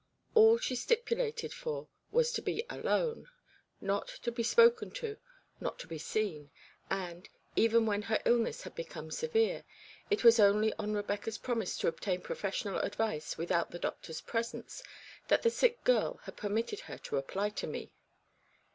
All she stipulated for was to be alone, not to be spoken to, not to be seen, and, even when her illness had become severe, it was only on Rebecca's promise to obtain professional advice without the doctor's presence that the sick girl had permitted her to apply to me.